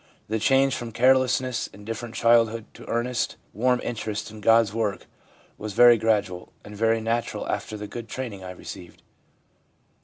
The change from careless, indifferent childhood to earnest, warm interest in God's work was very gradual and very natural after the good training I received.'